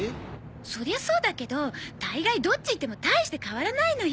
そりゃそうだけど大概どっち行っても大して変わらないのよ。